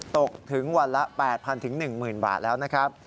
ตกถึงวันละ๘๐๐๑๐๐บาทแล้วนะครับ